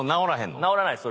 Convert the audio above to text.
直らないです。